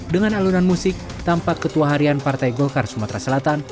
dengan alunan musik tampak ketua harian partai golkar sumatera selatan